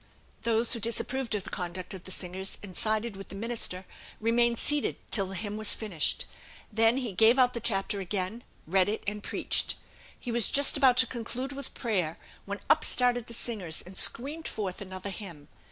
Those who disapproved of the conduct of the singers, and sided with the minister, remained seated till the hymn was finished. Then he gave out the chapter again, read it, and preached. He was just about to conclude with prayer, when up started the singers and screamed forth another hymn.